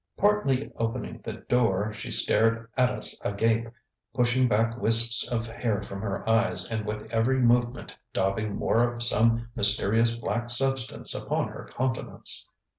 Partly opening the door, she stared at us agape, pushing back wisps of hair from her eyes and with every movement daubing more of some mysterious black substance upon her countenance.